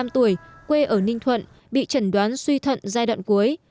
hai mươi năm tuổi quê ở ninh thuận bị chẩn đoán suy thận giai đoạn cuối